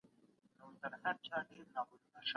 واکمن پوړ تل د امرمنونکو پر وړاندي دريږي.